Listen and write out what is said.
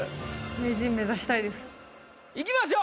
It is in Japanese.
いきましょう。